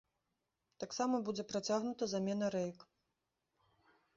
Таксама будзе працягнута замена рэек.